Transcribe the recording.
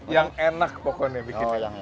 yang enak pokoknya bikinnya